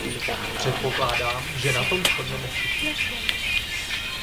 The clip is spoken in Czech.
Předpokládám, že na tom shodneme všichni.